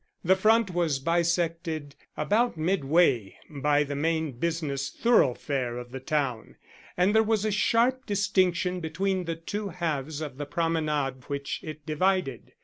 The front was bisected about midway by the main business thoroughfare of the town, and there was a sharp distinction between the two halves of the promenade which it divided.